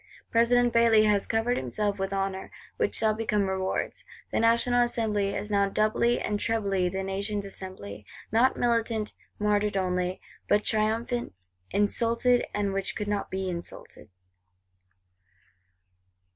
President Bailly has covered himself with honour; which shall become rewards. The National Assembly is now doubly and trebly the Nation's Assembly; not militant, martyred only, but triumphant; insulted, and which could not be insulted.